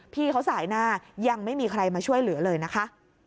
พี่เขาสายหน้ายังไม่มีใครมาช่วยเหลือเลยนะคะ